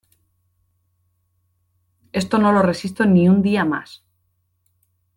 Esto no lo resisto ni un día más.